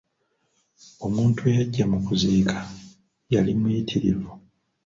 Omuntu eyajja mu kuziika yali muyitirivu.